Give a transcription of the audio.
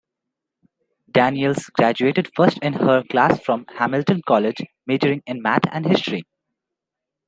Daniels graduated first in her class from Hamilton College, majoring in math and history.